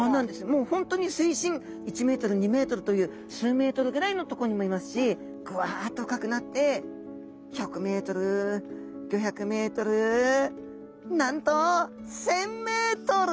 もう本当に水深１ｍ２ｍという数ｍぐらいのとこにもいますしグワッと深くなって１００ｍ５００ｍなんと１，０００ｍ！